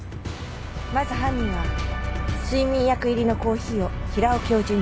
まず犯人は睡眠薬入りのコーヒーを平尾教授に飲ませた。